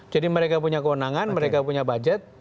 jadi mereka punya kewenangan mereka punya budget